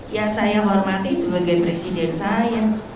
ya saya menghormati sebagai presiden saya